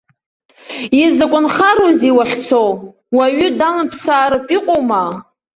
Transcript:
Изакә нхароузеи уахьцо, уаҩы далымԥсаартә иҟоума?